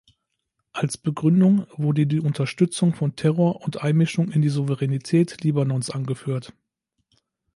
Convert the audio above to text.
Als Begründung wurde die Unterstützung von Terror und Einmischung in die Souveränität Libanons angeführt.